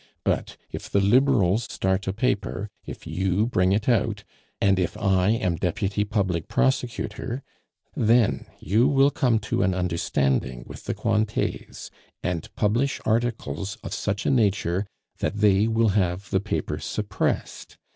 But if the Liberals start a paper, if you bring it out, and if I am deputy public prosecutor, then you will come to an understanding with the Cointets and publish articles of such a nature that they will have the paper suppressed.